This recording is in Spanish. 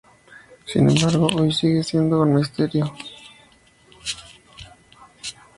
Sin embargo, hoy sigue siendo un misterio.